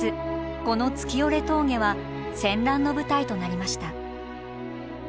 この月居峠は戦乱の舞台となりました。